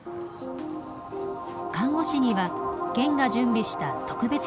看護師には県が準備した特別手当を支給。